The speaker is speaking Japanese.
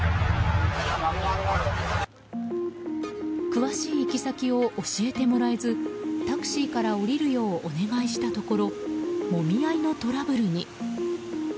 詳しい行き先を教えてもらえずタクシーから降りるようお願いしたところもみ合いのトラブルに。